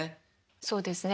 そうですね。